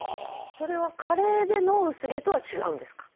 それは加齢での薄毛とは違うんですか？